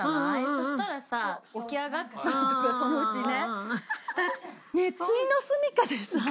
そしたらさ起き上がったりとかそのうちね。